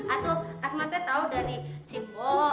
atau asma teh tau dari simbo